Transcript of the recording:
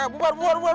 eh bubar bubar bubar